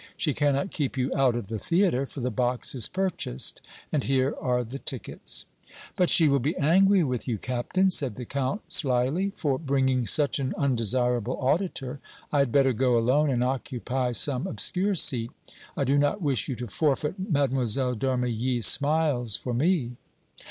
She cannot keep you out of the theatre, for the box is purchased and here are the tickets." "But she will be angry with you, Captain," said the Count, slyly, "for bringing such an undesirable auditor. I had better go alone and occupy some obscure seat. I do not wish you to forfeit Mlle. d' Armilly's smiles for me."